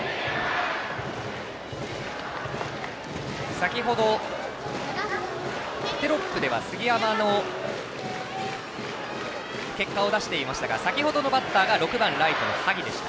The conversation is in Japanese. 先ほどテロップでは杉山の結果を出していましたが先ほどのバッターが６番、ライトの萩でした。